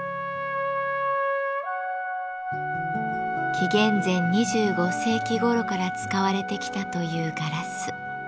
紀元前２５世紀ごろから使われてきたというガラス。